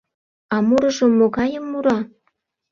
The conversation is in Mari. А мурыжым могайым мура?